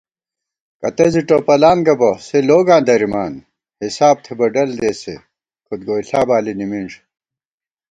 کتہ زی ٹوپلان گہ بہ، سے لوگاں درِمان * حِساب تھِبہ ڈل دېسے، کھُد گوئیݪا بالی نِمِنݮ